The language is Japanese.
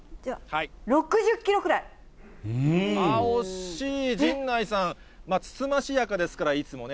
ああ、惜しい、陣内さん、つつましやかですから、いつもね。